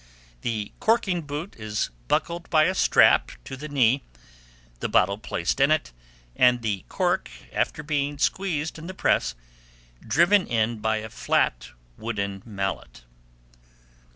The corking boot is buckled by a strap to the knee, the bottle placed in it, and the cork, after being squeezed in the press, driven in by a flat wooden mallet.